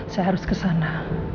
saya harus kesana